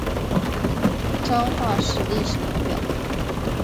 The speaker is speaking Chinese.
彰化市历史年表